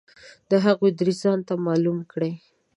د هغوی دریځ ځانته معلوم کړي.